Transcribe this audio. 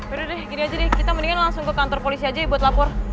yaudah deh gini aja deh kita mendingan langsung ke kantor polisi aja ya buat lapor